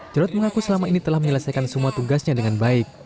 jarod mengaku selama ini telah menyelesaikan semua tugasnya dengan baik